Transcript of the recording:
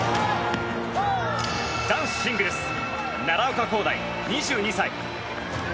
男子シングルス奈良岡功大、２２歳。